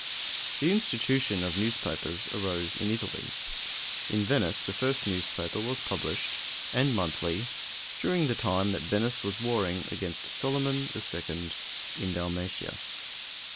The institution of newspapers arose in Italy. In Venice the first newspaper was published, and monthly, during the time that Venice was warring against Solyman the Second in Dalmatia.